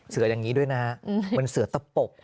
เสืออย่างนี้ด้วยนะฮะเหมือนเสือตะปบ